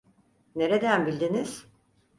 Nereden bildiniz?